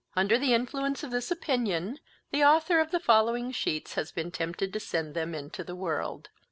Under the influence of this opinion, the Author of the following sheets has been tempted to send them into the world.